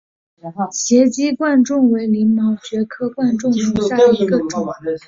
斜基贯众为鳞毛蕨科贯众属下的一个种。